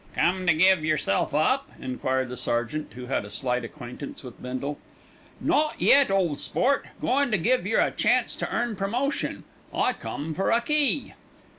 "Come to give yourself up?" enquired the sergeant, who had a slight acquaintance with Bindle. "Not yet, ole sport; goin' to give yer a chance to earn promotion. I come for a key."